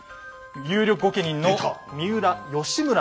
有力御家人の三浦義村。